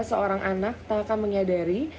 seorang anak tak akan menyadari